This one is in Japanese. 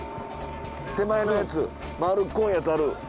手前のやつ丸っこいやつある。